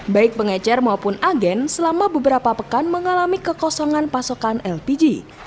baik pengecer maupun agen selama beberapa pekan mengalami kekosongan pasokan lpg